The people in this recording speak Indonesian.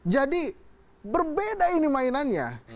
jadi berbeda ini mainannya